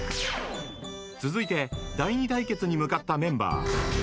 ［続いて第２対決に向かったメンバー］